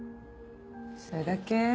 それだけ？